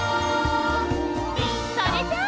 それじゃあ！